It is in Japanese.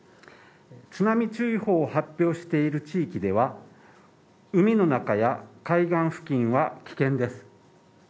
津波注意報を発表している地域では、海の中や海岸付近は危険です。